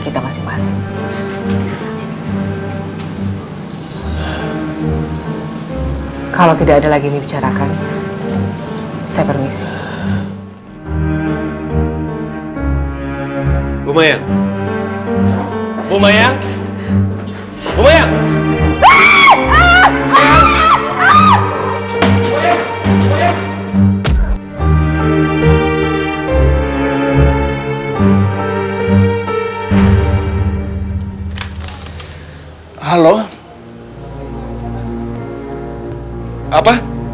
kita bisa mengopyragai pembimbingan kamu dan kamu saja saja